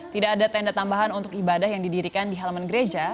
tidak ada tenda tambahan untuk ibadah yang didirikan di halaman gereja